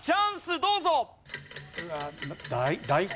どうぞ。